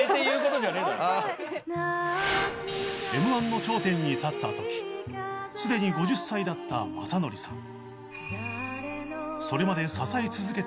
Ｍ−１ の頂点に立った時すでに５０歳だった雅紀さん